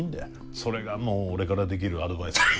それがもう俺からできるアドバイスかな。